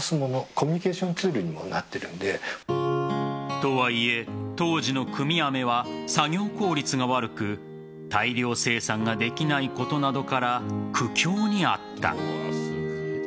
とはいえ、当時の組み飴は作業効率が悪く大量生産ができないことなどから苦境にあった。